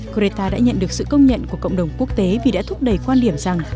greta đã nhận được sự công nhận của cộng đồng quốc tế vì đã thúc đẩy quan điểm rằng